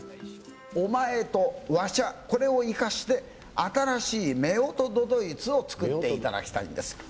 お前とわしゃ、これを生かして、新しい夫婦都々逸を作っていただきたいんです。